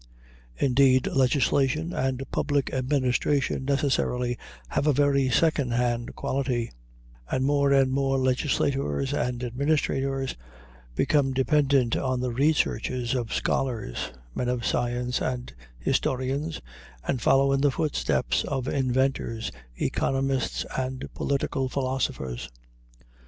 Indeed, legislation and public administration necessarily have a very second hand quality; and more and more legislators and administrators become dependent on the researches of scholars, men of science, and historians, and follow in the footsteps of inventors, economists, and political philosophers.